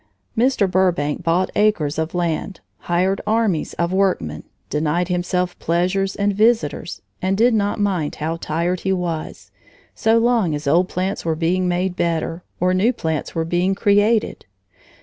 Mr. Burbank bought acres of land, hired armies of workmen, denied himself pleasures and visitors, and did not mind how tired he was, so long as old plants were being made better, or new plants were being created.